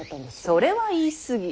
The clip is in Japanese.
それは言い過ぎ。